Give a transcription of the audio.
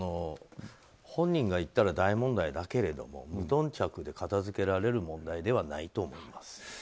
本人が言ったら大問題だけれど無頓着で片づけられる問題ではないと思います。